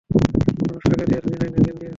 মানুষ টাকা দিয়া ধনী হয় না, জ্ঞান দিয়া হয়।